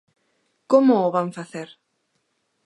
¿Como o van facer?